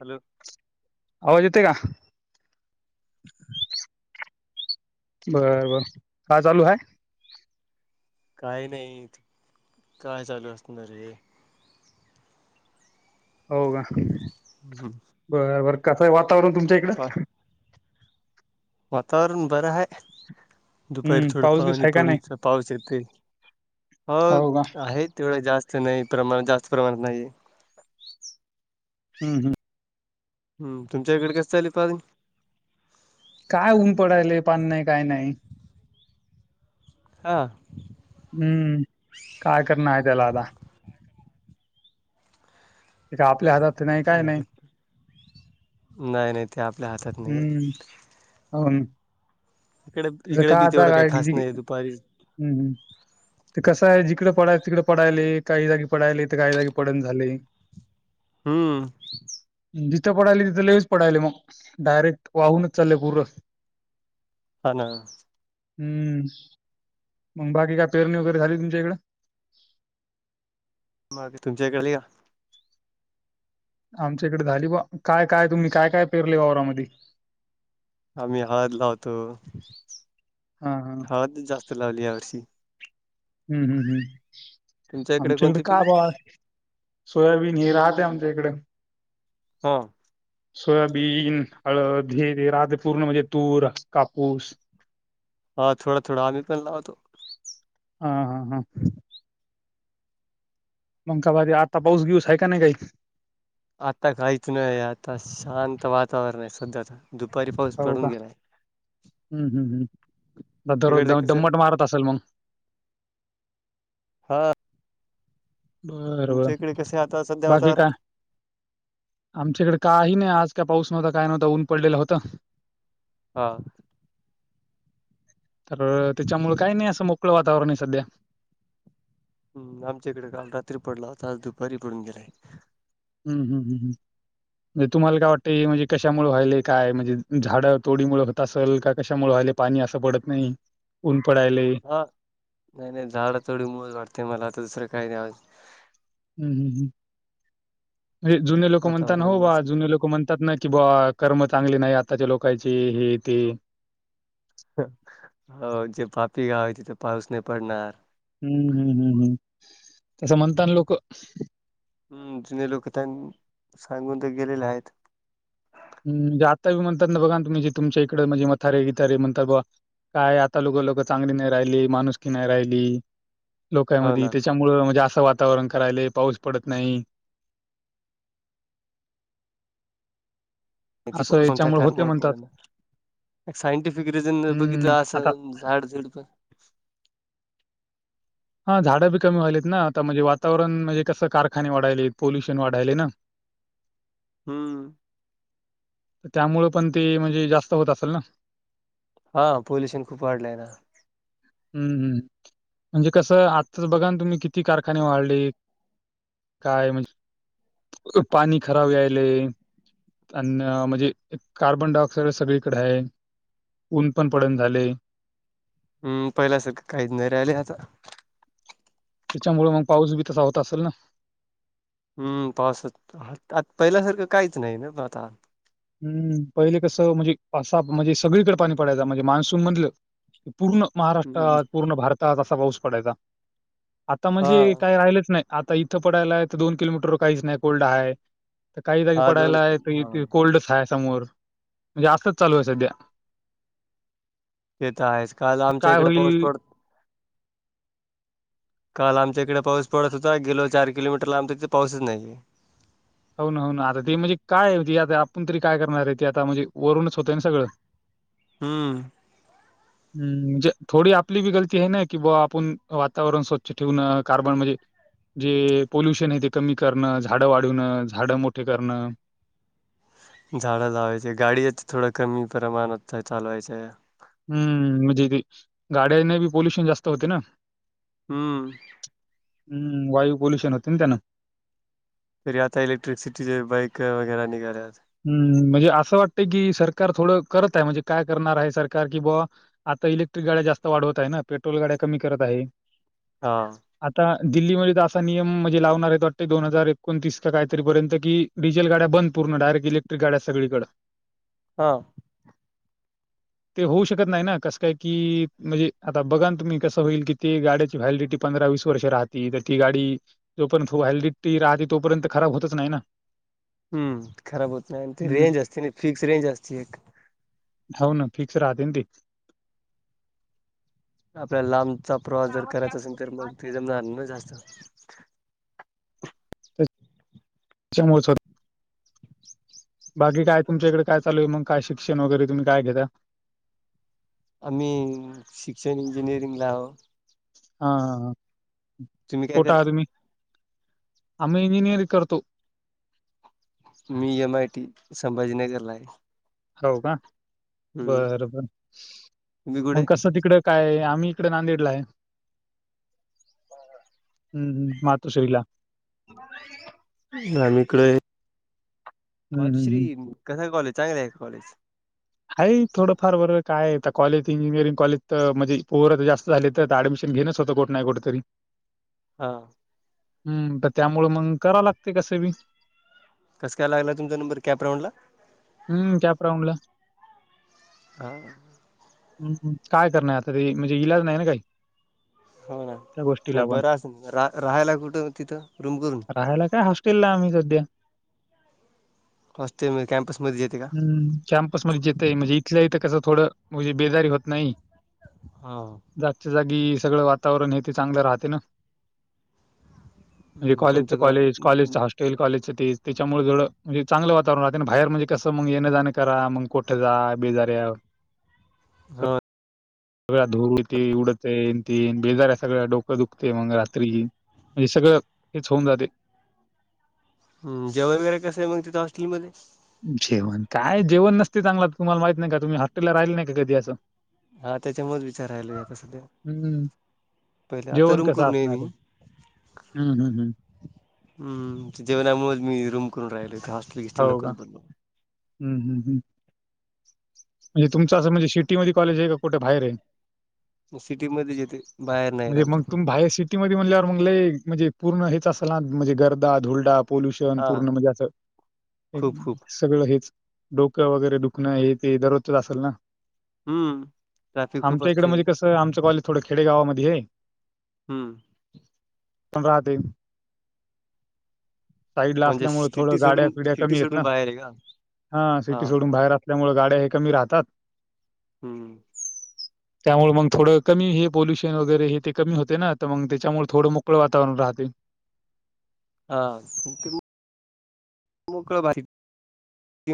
Hello आवाज येतोय का? बर बर काय चालू हाय? काही नाही काय चालू असणार हे? हो का? हम्म. बर बर कसं आहे वातावरण तुमच्या इकड? वा वातावरण बरं आहे. दुपारी हम्म थोडं पाऊस बिस पाहणी आहे का नाही पडूनचा पाऊस येते ह हो का आहे तेवढा जास्त च नाही प्रमाणात जास्त प्रमाणात नाही हम् हम. हम् तुमच्या इकडे कस चालू आहे पाणि काय ऊन पडायले पानी नाही काय नाही. हा हम्म काय करणार आहे त्याला आता त्या आपल्या हातात नाही काय आहे का नाही. नाही नाही ते आपल्या हातात नाही आहे. अन इकडे इकडे बी तेवढं काही खास नाही दुपारी हम् हम ते कसं आहे जिकडं पडाय तिकड पडलाय काही जागी पडलाय तर काही जागी पडण झालय हम्म जिथं पडायलय तिथं लयच पडायलय मग डायरेक्ट वाहूनच चाललेय पूर हा ना हम्म मग बाकी काय पेरणी वगैरे झाली तुमच्या इकड मग तुमच्याकडे या [unintelligible] आमच्या इकडे झाली बा काय काय तुम्ही काय काय पेरले वावरामध्ये आम्ही हळद लावतो. हा हा हळद जास्त लावली या वर्षी हम्म हम् हम् आमच्या इकडे कोणती पिक का ब सोयाबीन हे राहते आमच्या इकड हो सोयाबीन हळद हे राते्र पूर्ण म्हणजे तूर कापूस हा थोडा थोडा आगीिकलावाो लावतो. हा हा हा मग गवारी आता पाऊस घेऊस आहे का नाही काही आता काहीच नाही आता शांत वातावरण आहे सध्या तर दुपारी पाऊस हो पडून का गेलाय. हम्म हम् ह् दररोज तिकडच कसं दम्मट मारत असेल मग हा बर बर तुमच्या इकडे कसे आता सध्या बाकी वातावरण काय आमच्याकडे काही नाही आज काय पाऊस नव्हता काय नव्हत ऊन पडलेल होतं. हा तर त्याच्यामुळ काही नाही असं मोकळ वातावरण आहे सध्या हम् आमच्या इकड काल रात्री पडला होता आज दुपारी पडून गेलाय. हम् हम हम हम म्हणजे तुम्हाला काय वाटतंय म्हणजे कशामुळ व्हायलय काय म्हणजे झाड तोडीमुळ होत असल का कशामुळ व्हायलय पाणी असं पडत नाही ऊन पडालय हा नाही नाही झाडं थोडी मूळ वाटतय मला आता दुसरं काही नाही आवाज हम्म हम् ह् जुने लोक म्हणतातना हो वातावरणामुळे बा सध्या जुने लोक म्हणतात ना की बा कर्म चांगली नाही आत्ताच्या लोकांची ही ती हो जे पापी गाव आहे तिथ पाऊस नाही पडणार हम्म हम्म हम्म हम्म तसं म्हणताना लोक हम् जुने लोक त्यां सांगून ते गेलेले आहेत हम म्हणजे आता बीणात ना बघा तुम् जे तुमच्या इकड म्हजे मारे गिितारे म्हणात बा काय आता लोक लोकं चांगली नाही राहिली माणुसकी नाही राहिली. हो लोकांमध्ये ना त्याच्यामुळ म्हणजे असं वातावरण करायलंय पाऊस पडत नाही. नती प असं [unintelligible] सणता याच्यामुळे होते कारमुळेळ म्हणतात. पडे ना एक सायंटिफिक रिझन हं, बघितलं आता असंल झाड जुडप पण हा झाडं बी कमी व्हालेत ना आता म्हणजे वातावरण म्हणजे कसं कारखाने वाढयले पोल्युशन वाढयलेय ना हम्म त्यामुळं पण ते म्हणजे जास्त होत असल ना हा पोल्युशन खूप वाढलंय ना. हम्म हम् म्हणजे कसं आत्ताच बघा ना तुम्ही किती कारखाने वाढले. काय म्हणजे पाणी खराब यायले अ म्हणजे कार्बन डाय ऑक्साइड सगळीकडे आहे. ऊन पन पडन झालय. हम्म पहिला अस काहीच नाही राहिले आता. त्याच्यामुळे मग पाऊस बी तसा होत असल ना हम्म पावसत आ पहिल्यासारखं काहीच नाही ना आता हम्म पहिले कसं म्हणजे असा म्हणजे सगळीकडे पाणी पडायचा म्हणजे मान्सून म्हधलं पूर्ण हम्म महाराष्ट्रात पूर्ण भारतात असा पाऊस पडायचा. आता हा म्हणजे काय राहिलंच नाही आता इथं पडायलाय तर दोन किलोमीटरवर काहीच नाही कोल्ड आहे. तर काही जागी हा दोन पडायला आहे हा त कोल्डचय समोर म्हणजे असच चालू आहे सध्या. येत आहेस काल आमच्या काय इकडे पाऊस होईल? पडत काल आमच्या इकडे पाऊस पडत होता गेलो चार किलोमीटर लांब तथे पाऊसच नाहीये. होना, होना आता ती म्हणजे काय ती आता आपण तरी काय करणार आहे ती आता म्हणजे वरूनच होतंय सगळं. हम्म. हम्म म्हणजे थोडी आपली बी गलती आहेना कि बा आपण वातावरण स्वच्छ ठेवून कार्बन म्हणजे. जे पोल्युशन आहे ते कमी करणं झाडं वाढवणं, झाडं मोठे करण, झाडं लावायचे गाडीच थोडं कमी प्रमाणात चालवायचे. हम्म म्हणजे गाड्यांना बी पोल्युशन जास्त होते ना. हम्म. हम्म वायू पोल्युशन होतेना त्यान. फिर आता इक्ट्रिसिटीचे बाईक वगैरे निघाल्यात. हम्म म्हणजे असं वाटतंय की सरकार थोडं करत आहे म्हणजे काय करणार आहे सरकार की बा. आता इलेक्ट्रिक गाड्या जास्त वाढवत आहे ना पेट्रोल गाड्या कमी करत आहे. हां. आता दिल्लीमध्ये तर असा नियम म्हणजे लावणार आहेत वाटते दोन हजार एकोणतीस का काहीतरीपर्यंत की डिझेल गाड्या बंद पूर्ण डायेक्ट इलेक्ट्रिक गाड्या सगळी कड. हा. ते होऊ शकत नाही ना कसं काय की म्हणजे आता बघाना तुम्ही कसं होईल की ते गाड्याची व्हॅलिडिटी पंधरा, वीस वर्ष राहती तर ती गाडी जोपर्यंत व्हाईटीत राहते तोपर्यंत खराब होतच नाही ना. हम्म खराब होत नाही आणि ते हम्म, रेंज असते ना फिक्स रेंज असते एक. होना फिक्स राहतेन ते. आपल्या लांबचा प्रवास जर करायचा असेल तर मग ते जमणार नाहीन जास्त. म. [unintelligible] बाकी काय तुमच्याकडे काय चालूय मगय शिक्षण वगैरे तुम्ही काय घेता? आम्ही शिक्षण इंजिनिअरिंगला आहो. हा, हा, ह तुम्ही काय कोठ आहा करता तुम्ही? आम्ही इंजिनिअरंग करतो. मी एम, आय, टी, संभाजीनगरला आहे. हो का हम्म बर, बर तुम्ही कुठे मग कसं तिकडे काय आम्ही इकडे नांदेडला आहे. हम्म, हम्म मातोश्रीला. आ इकडे हं, हं, मातश्री. हं. कसं कॉलेज चांगले आहे का कॉलेज. हा थोडंफार बरं काय कॉलेज इंजिनिअरिंग कॉलेज तर म्हणजे पोर जास्त. झाले तर ऍडमिशन घेनच होत कुठ नाही कुठेतरी. हा. हम्म, तर त्यामुळे मग करा लागते कस बी. कस काय लाग तमचा नंबर कॅप राऊंला? हम्म, कॅप राऊडंला. हा. हम्म काय करण आता ते म्हणजे इलाज नाही ना काही. होना त्या नाही गोष्टीला पण. बरं अस रा राहायला कुठं? तिथं रूम करून. काहाला काय. हाॅस तेला लागत होत्या. हॉस्टेल म कॅम्पस मध्ये येते का? कॅम्पस मध्ये येतय म्हणजे इथल्या इथं कसं थोडं म्हणजे बेजारी होत नाही. हा. जागच्यां जांगी सगळं वातांवरण हे ते चांगलं राहते नां. म्हणजे कॉलेजं चं कोणतं का कॉलेजं कॉलेजं हॉस्टेलं - टलं कॉलेजचं ते त्यांच्यामुळे जवडं म्हंजे चांगलं वातांवरण राहतेनं बाहेर म्हणजे कसं मंग येणे जाणें करां मंग- कोठं जां बेजांरी हांय. होतं सगळ्यां धूरं उडते ते उडतं येन ते बेजार्या सगळ्यां डोकं दुखंते मंग रात्री. म्हंणजे सगळं हेंच होऊंन जाते. हम्मं जेवण वगैरें कसं आहे मंग तींत हॉस्टिलं मंध्यें? जेवणं कायं जेवणं नसते चांगलं तुम्हांला माहित नाहीं कां तुम्हीं हॉस्टेललां राहील नाहीं कां कधीं असं. हां त्यांच्यामुळेचं विचारायलां आंता संध्या. हम्मं पहिले आंता रूंम करूंन येली मी हंम हम्मं जेवणांमुळेचं मी रूंम करूंन राहिलो हॉस्टेल गिस्टेल नकोचं बोललो. हम्मं हमं म्हणजे तुमचं असं म्हंणजे शिटी मध्यें कॉलेज आहे कां कुंठे बाहेर आहे. सिटी मध्येचं येते बाहेर नाहीं आमचं कॉलेज. भय सट सिटी म्हंणल्यांवर मंगलंय म्हणजे पूर्ण हेंच असलं नं म्हंणजे गर्दा धुळडां पोल्युंशन हा पूर्ण म्हणजे असं. खूप खूप सगळं हेंच डोकं वगैरे दुखणं हे ते दररोजचं असेलं नां. हम्म ट्रॅफिक खूप आमच्यां इकडं असते म्हंणजे कसं आमचं कॉलेज थोडं खेडेगांवामंध्ये हांय. हम्मं पंन राहतें. साईडं लां म्हणजे असल्यांमुळे सिटी थोडं गाड्यां सोडून फिड्यां कमी सिटी आहेतं सोडून नां बाहेर आहे का हां हा सिटी सोडूंन. बाहेर असल्यांमुळे गाड्यां हे कमी राहतांत. हम्मं त्यांमुळे मंग थोडं कमी हे पलुशन वगैरें हे ते कमी होते नां तरं मंग त्यांच्यामुळे थोडं मोकळं वातांवरण राहते. हां कमी मोकळं भारी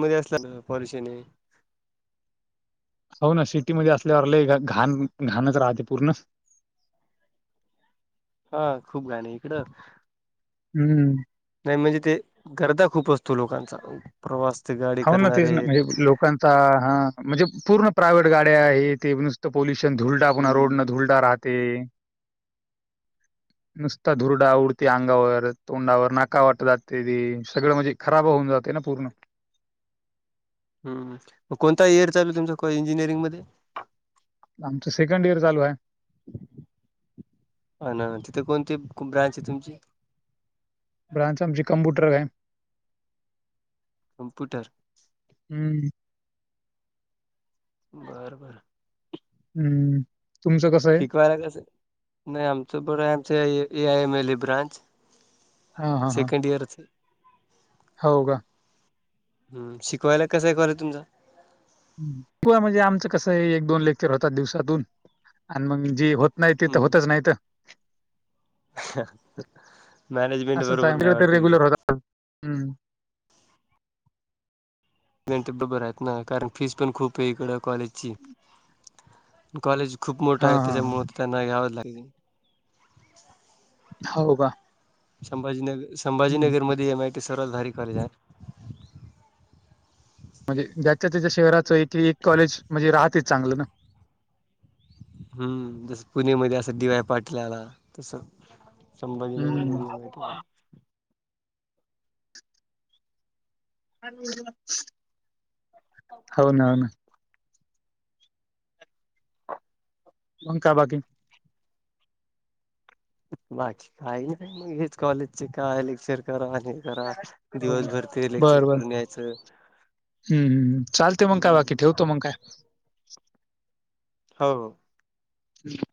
मध्यें असलां नां परेशांनी आहे. हो नां सिटी मंध्यें असल्यांवर लंई घाणं घाणंचं राहतें पूर्ण. हां खूंप घाणं आहे इकडं. हम्मं नाहीं म्हणजे ते गर्दा खूंप असतों लोकांचां प्रवास ते गांडी करणांरे. कां हां म्हंणजे पूर्ण प्रायव्हेट गाड्यां हे ते नुसं- पॉोल्युंशन धुलडां पुन्हां रोड हम्म नं धुलडां राहतें. नुसतां धुरडां आं उडते अंगावर तोंडावर नाकां वाटं जाते ते सगळं म्हणजे- खरांब होऊंन जाते नां पूर्ण. हं मंग कोणता ईयर चालूं तुमचं इंजिनिअरिंग मंध्यें. आमचं सेकंड इयंर चालूं आहे. हं नां तिथे कोणती कुंब्रांच आहे तुमंची. ब्रांच आमची कम्प्युंटर आहे. कमप्यूंटर! हम्मं बरं बरं हम्मं शिकवांयलां कसं नाहीं आमचं बरं आहे आमचं A I M L A branch. हां, हां, हां. सेकंड इयंरचे. हो कां हम्मं शिकवांयलां कसं हांये कॉलेज तुमचं म्हंणजे आमचं कसं एक दोन लेक्चर होतांत दिवसांतूंन आणि मंग जे हो- नाहीं तिथं हम्म होतंच नाहीतं. मॅनेजमेंट बरोबर नाहीं वाटतें तिच्यां. हम्म. [unintelligible] ण ते बरोबर आहेत ना कारण फीस पण खूप आहे इकड कॉलेजची. कॉलेज खूप मोठा आहे हां, हां, त्याच्यामु हां. त्यांना घ्यावं लागेल. हो का? संभाजीनगर हं. संभाजीनगर मध्ये एम आय टी सर्वातधारी कॉलेज आहे. म्हणजे ज्याच्या त्याच्या शहराचं एक एक कॉलेज म्हणजे राहतेच चांगलं ना. हम्म जस पुणेमध्ये असं डी वाय पाटील आला तसं. संभाजीनगर हम्म. मध्येळ. हो ना हो ना. वका बाकी. बाकी काही नाही मग हेच कॉलेजचे काय लेक्चर करा आणि- करा हो. दिवसभर ते लेक्चर कर नयचं. हम् हमम लते मग काय बाकी ठेवतो मग काय? हो हो. हम्.